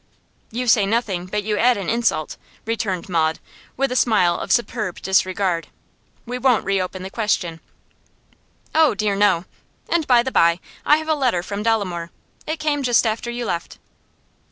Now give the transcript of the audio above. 'You say nothing, but you add an insult,' returned Maud, with a smile of superb disregard. 'We won't reopen the question.' 'Oh dear no! And, by the by, I have a letter from Dolomore. It came just after you left.